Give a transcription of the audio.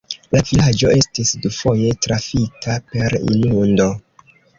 La vilaĝo estis dufoje trafita per inundo.